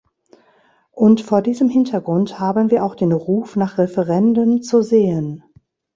Und vor diesem Hintergrund haben wir auch den Ruf, nach Referenden zu sehen.